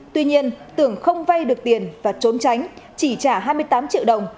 tuy nhiên tưởng không vay được tiền và trốn tránh chỉ trả hai mươi tám triệu đồng